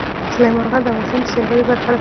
سلیمان غر د افغانستان د سیلګرۍ برخه ده.